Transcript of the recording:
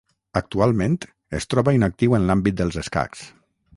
Actualment es troba inactiu en l'àmbit dels escacs.